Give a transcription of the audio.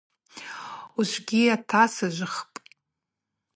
Ужвыгьи йатасыжвхпӏ.